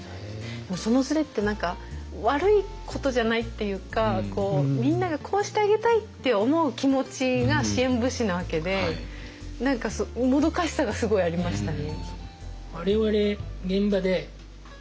でもそのズレって何か悪いことじゃないっていうかみんながこうしてあげたいって思う気持ちが支援物資なわけで何かもどかしさがすごいありましたね。